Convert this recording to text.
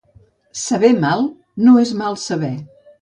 Saber mal no és mal saber.